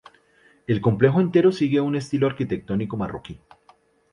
El complejo entero sigue una estilo arquitectónico marroquí.